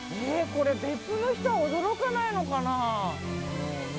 これ、別府の人は驚かないのかな。